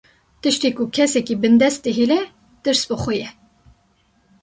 Tiştê ku kesekî bindest dihêle, tirs bi xwe ye